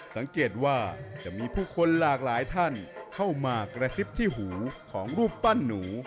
สังเกตว่าจะมีผู้คนหลากหลายท่านเข้ามากระซิบที่หูของรูปปั้นหนู